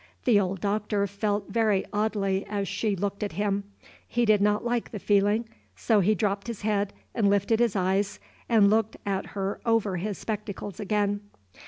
The old Doctor felt very oddly as she looked at him; he did not like the feeling, so he dropped his head and lifted his eyes and looked at her over his spectacles again.